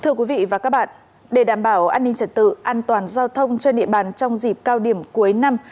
thưa quý vị và các bạn để đảm bảo an ninh trật tự an toàn giao thông trên địa bàn trong dịp cao điểm cuối năm